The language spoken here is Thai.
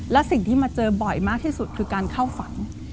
และสิ่งที่มาเจอบ่อยมากที่สุดคือการเข้าฝัน